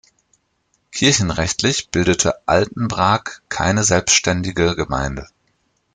Kirchenrechtlich bildete Altenbrak keine selbständige Gemeinde.